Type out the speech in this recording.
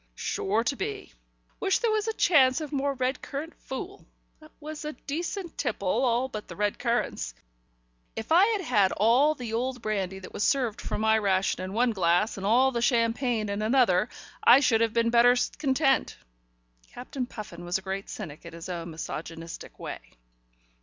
"Sure to be. Wish there was a chance of more red currant fool. That was a decent tipple, all but the red currants. If I had had all the old brandy that was served for my ration in one glass, and all the champagne in another, I should have been better content." Captain Puffin was a great cynic in his own misogynistic way.